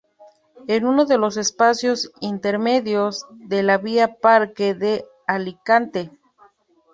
En uno de los espacios intermedios de la Vía Parque de Alicante.